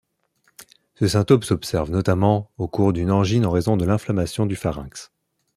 Ce symptôme s'observe notamment au cours d'une angine en raison de l'inflammation du pharynx.